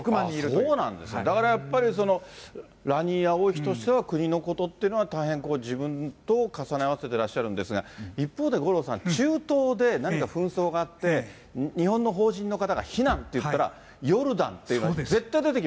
そうなんですね、だからやっぱり、ラーニア王妃としては、国のことっていうのは大変自分と重ね合わせてらっしゃるんですが、一方で五郎さん、中東で何か紛争があって、日本の法人の方が避難っていったら、ヨルダンって、そうです。